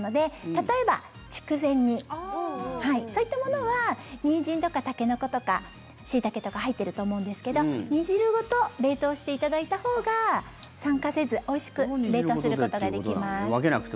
例えば、筑前煮そういったものはニンジンとかタケノコとかシイタケとか入ってると思うんですけど煮汁ごと冷凍していただいたほうが酸化せず、おいしく冷凍することができます。